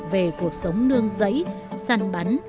về cuộc sống nương giấy săn bắn